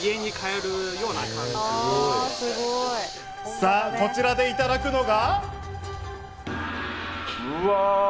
さあ、こちらでいただくのが。